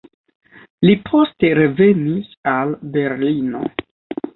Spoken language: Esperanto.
Li poste revenis al Berlino.